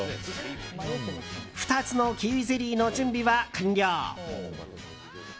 ２つのキウイゼリーの準備は完了。